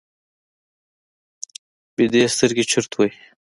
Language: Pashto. ویده سترګې چورت وهي